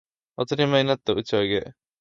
当たり前になった打ち上げ